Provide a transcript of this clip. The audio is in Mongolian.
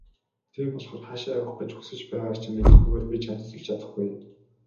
Тийм болохоор хаашаа явах гэж хүс байгааг чинь мэдэхгүйгээр би чамд тусалж чадахгүй.